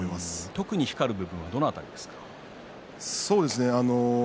特に光る部分はどの辺りですか？